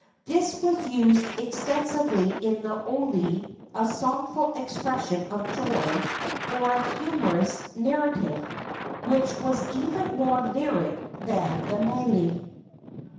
This was used ex¬ tensively in the oli (a songful expression of joy, or a humorous narrative), which was even more lyric than the mele.